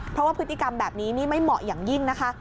เพราะว่าพฤติกรรมแบบนี้นี่ไม่เหมาะอย่างยิ่งนะคะ